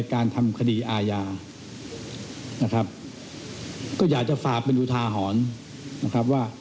ก็อยากจะฝากเป็นอุทาหอนนะครับว่า